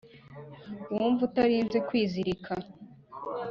wumye utarinze kwizirika.